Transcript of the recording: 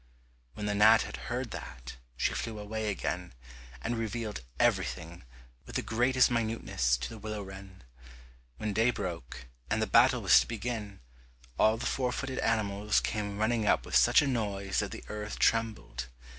When the gnat had heard that, she flew away again, and revealed everything, with the greatest minuteness, to the willow wren. When day broke, and the battle was to begin, all the four footed animals came running up with such a noise that the earth trembled.